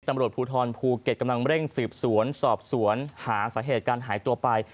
ตำรวจภูทรภูเก็ตกำลังเร่งสืบสวนสอบสวนหาสาเหตุการหายตัวไป